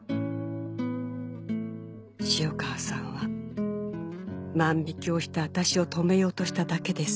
「潮川さんは万引をした私を止めようとしただけです」